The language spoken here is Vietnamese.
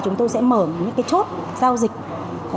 chúng tôi sẽ mở những cái chốt giao dịch